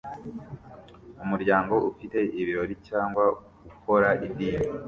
umuryango ufite ibirori cyangwa ukora idini